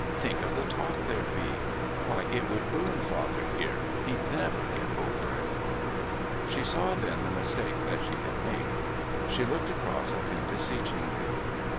Think of the talk there'd be! Why, it would ruin father here. He'd never get over it." She saw then the mistake that she had made. She looked across at him beseechingly.